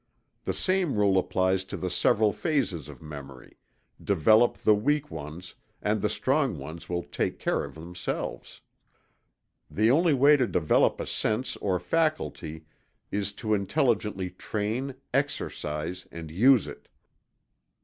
The same rule applies to the several phases of memory develop the weak ones, and the strong ones will take care of themselves. The only way to develop a sense or faculty is to intelligently train, exercise and use it.